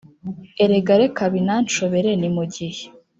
erega reka binanshobere ni mu gihe